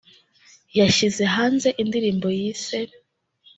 yashyize hanze indirimbo yise